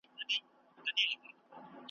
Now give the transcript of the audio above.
لکه چي جوړ سو ,